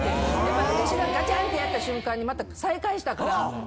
私がガチャンってやった瞬間にまた再開したから。